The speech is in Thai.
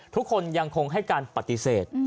ทุกคนยังคงให้การปฏิเสธ